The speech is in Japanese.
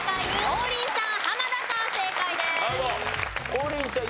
王林ちゃん